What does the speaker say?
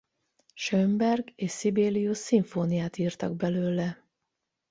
Schönberg és Sibelius szimfóniát írtak belőle.